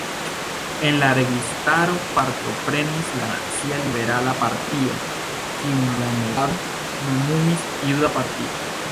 En la registaro partoprenis la Nacia Liberala Partio, kiun la movado nomumis „Juda partio“.